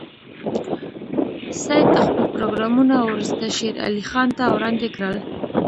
سید خپل پروګرامونه وروسته شېر علي خان ته وړاندې کړل.